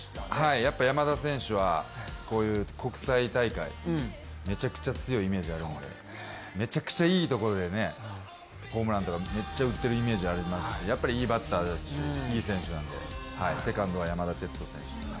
やっぱ山田選手はこういう国際大会、めちゃくちゃ強いイメージがあるので、めちゃくちゃいいところでホームランとか、めっちゃ打ってるイメージありますしやっぱりいいバッターですしいい選手なんでセカンドは山田哲人選手。